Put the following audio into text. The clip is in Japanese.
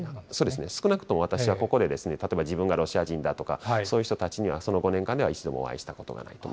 少なくとも私はここで、例えば自分がロシア人だとか、そういう人たちには、その５年間では一度もお会いしたことがないと。